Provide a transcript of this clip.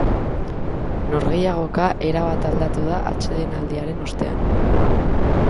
Norgehiagoka erabat aldatu da atsedenaldiaren ostean.